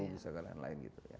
bisa ke lain lain gitu ya